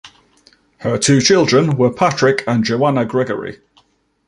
Her two children were Patrick and Joanna Gregory.